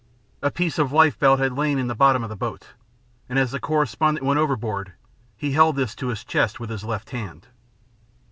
A piece of lifebelt had lain in the bottom of the boat, and as the correspondent went overboard he held this to his chest with his left hand.